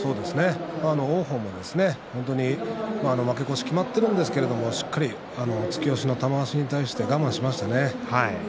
王鵬も負け越しが決まっているんですけれどもしっかり突き押しの玉鷲に対して我慢しましたね。